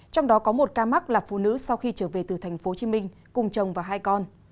trong đó có một ca mắc là phụ nữ sau khi trở về từ tp hcm cùng chồng và hai con